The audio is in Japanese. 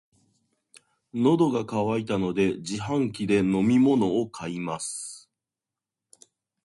喉が渇いたので、自動販売機で飲み物を買います。